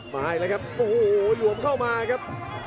มาอีกแล้วครับโอ้โหหลวมเข้ามาครับ